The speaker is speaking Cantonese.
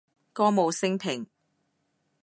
歌舞昇平